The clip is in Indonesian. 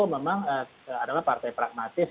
memang adalah partai pragmatis